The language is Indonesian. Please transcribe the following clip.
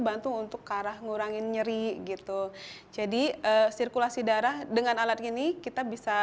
bantu untuk ke arah ngurangin nyeri gitu jadi sirkulasi darah dengan alat ini kita bisa